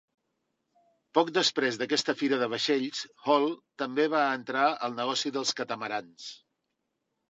Poc després d'aquesta fira de vaixells, Hoie també va entrar al negoci dels catamarans.